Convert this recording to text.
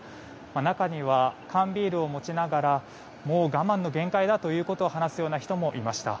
中には、缶ビールを持ちながらもう我慢の限界だということを話すような人もいました。